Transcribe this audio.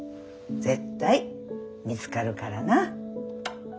絶対見つかるからな。